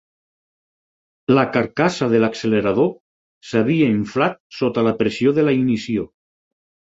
La carcassa de l'accelerador s'havia inflat sota la pressió de la ignició.